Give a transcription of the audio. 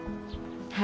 はい。